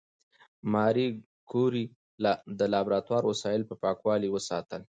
ماري کوري د لابراتوار وسایل په پاکوالي وساتل.